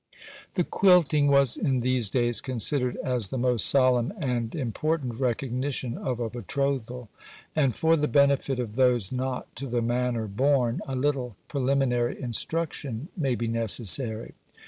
The quilting was in these days considered as the most solemn and important recognition of a betrothal; and for the benefit of those not to the manner born, a little preliminary instruction may be necessary.